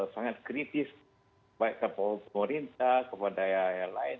sangat kritis baik kepada pemerintah kepada yang lain